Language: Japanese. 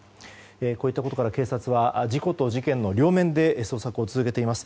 こういったことから警察は事故と事件の両面で捜索を続けています。